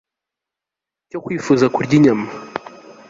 cyo kwifuza kurya inyama